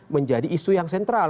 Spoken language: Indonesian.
menjadi isu yang sentral